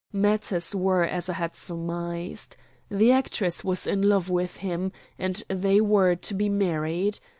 Matters were as I had surmised. The actress was in love with him, and they were to be married.